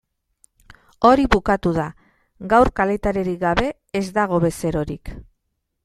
Hori bukatu da, gaur kalitaterik gabe ez dago bezerorik.